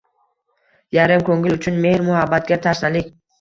Yarim ko‘ngil uchun mehr-muhabbatga tashnalik.